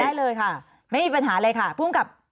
ได้เลยค่ะไม่มีปัญหาเลยค่ะภูมิกับ